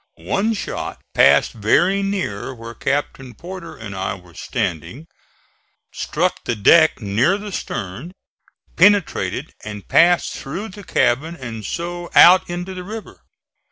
One shot passed very near where Captain Porter and I were standing, struck the deck near the stern, penetrated and passed through the cabin and so out into the river.